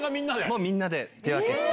もうみんなで手分けして。